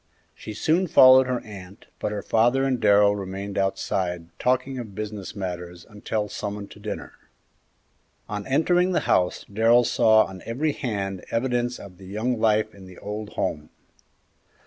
She soon followed her aunt, but her father and Darrell remained outside talking of business matters until summoned to dinner. On entering the house Darrell saw on every hand evidences of the young life in the old home.